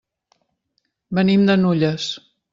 Venim de Nulles.